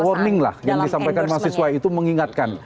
warning lah yang disampaikan mahasiswa itu mengingatkan